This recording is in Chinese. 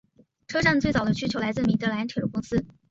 车站最早的需求来自米德兰铁路公司。